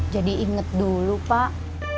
jadi inget dulu pak